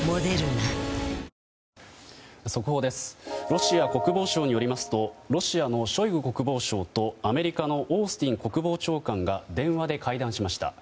ロシア国防省によりますとロシアのショイグ国防相とアメリカのオースティン国防長官が電話で会談しました。